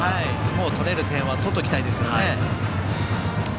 もう取れる点は取っておきたいですよね。